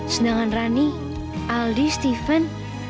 senangan rani aldi steven